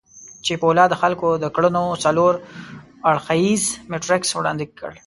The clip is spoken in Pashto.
چیپولا د خلکو د کړنو څلور اړخييز میټریکس وړاندې کړ.